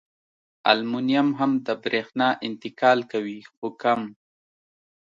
المونیم هم د برېښنا انتقال کوي خو کم.